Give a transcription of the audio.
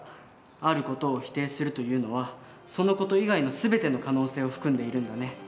ある事を否定するというのはその事以外の全ての可能性を含んでいるんだね。